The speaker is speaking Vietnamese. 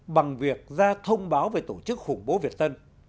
bằng việc ra thông báo về tổ chức khủng bố việt tân